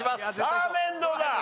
ラーメンどうだ？